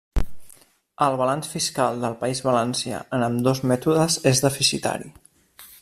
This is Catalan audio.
El balanç fiscal del País Valencià en ambdós mètodes és deficitari.